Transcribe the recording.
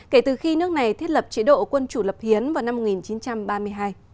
kể từ khi nước này thiết lập chế độ quân chủ lập hiến vào năm một nghìn chín trăm ba mươi hai